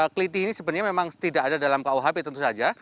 keliti ini sebenarnya memang tidak ada dalam kuhp tentu saja